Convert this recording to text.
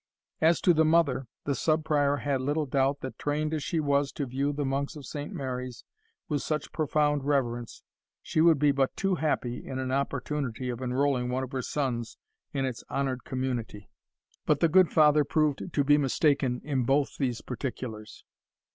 As to the mother, the Sub Prior had little doubt that, trained as she was to view the monks of Saint Mary's with such profound reverence, she would be but too happy in an opportunity of enrolling one of her sons in its honoured community. But the good Father proved to be mistaken in both these particulars.